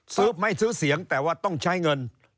ซื้อไม่ซื้อเสียงแต่ว่าต้องใช้เงิน